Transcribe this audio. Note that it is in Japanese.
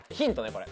これ。